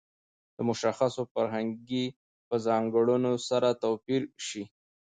د مشخصو فرهنګي په ځانګړنو سره توپیر شي.